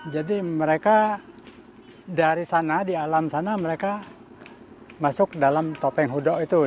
jadi mereka dari sana di alam sana mereka masuk dalam topeng hudok itu